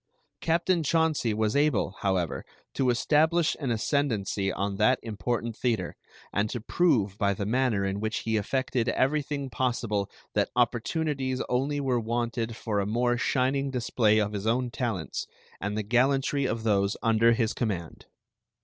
Captain Chauncey was able, however, to establish an ascendancy on that important theater, and to prove by the manner in which he effected everything possible that opportunities only were wanted for a more shining display of his own talents and the gallantry of those under his command.